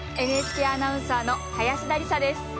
ＮＨＫアナウンサーの林田理沙です。